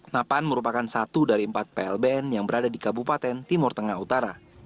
napan merupakan satu dari empat plbn yang berada di kabupaten timur tengah utara